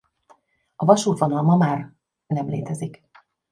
A vasútvonal ma már nem létezik.